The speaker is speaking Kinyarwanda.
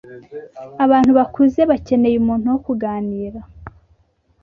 Abantu bakuze bakeneye umuntu wo kuganira